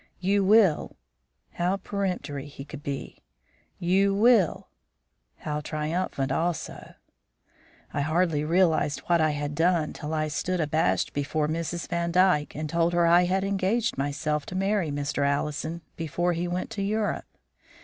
"You will?" How peremptory he could be. "You will?" How triumphant, also. I hardly realized what I had done till I stood abashed before Mrs. Vandyke, and told her I had engaged myself to marry Mr. Allison before he went to Europe.